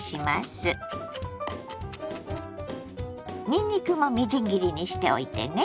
にんにくもみじん切りにしておいてね。